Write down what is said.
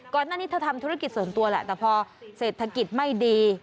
ก่อนหน้านี้เธอทำธุรกิจส่วนตัวแหละแต่พอเศรษฐกิจไม่ดี